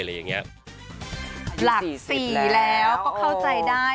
หลักสี่แล้วก็เข้าใจได้